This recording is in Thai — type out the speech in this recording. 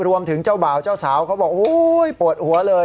เจ้าบ่าวเจ้าสาวเขาบอกโอ้ยปวดหัวเลย